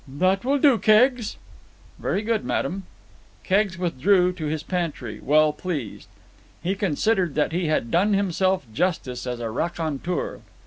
"That will do, Keggs." "Very good, madam." Keggs withdrew to his pantry, well pleased. He considered that he had done himself justice as a raconteur.